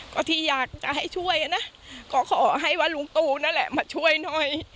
ก็ที่อยากจะให้ช่วยนะก็ขอให้ว่าลุงตูนั่นแหละมาช่วยหน่อย